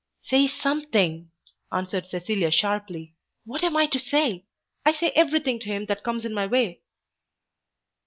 "Say something!" answered Cecilia sharply. "What am I to say? I say everything to him that comes in my way."